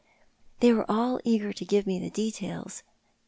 They were all eager to give me the details.